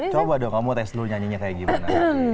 coba dong kamu tes dulu nyanyinya kayak gimana